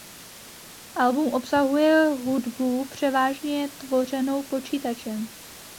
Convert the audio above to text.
Album obsahuje hudbu převážně tvořenou počítačem.